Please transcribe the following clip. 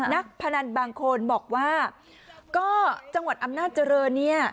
พนันบางคนบอกว่าก็จังหวัดอำนาจเจริญเนี่ย